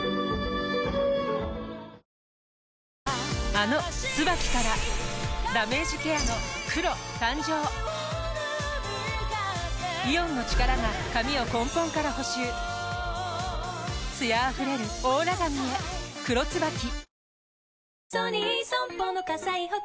あの「ＴＳＵＢＡＫＩ」からダメージケアの黒誕生イオンの力が髪を根本から補修艶あふれるオーラ髪へ「黒ＴＳＵＢＡＫＩ」